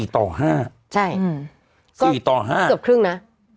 ๔ต่อ๕เกือบครึ่งนะ